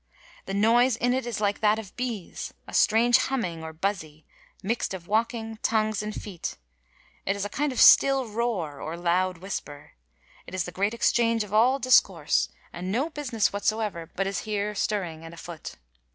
The noyse in it is like that of Bees, a strange humming or buzzie,— mixt of walking, tongues and feet: It is a kind of still roare or loud whisper. It is the great Exchange of all discourse, and no busines whatsoeuer but is here stirring and afoot.